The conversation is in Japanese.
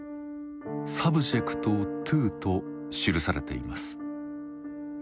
「ｓｕｂｊｅｃｔｔｏ」と記されています。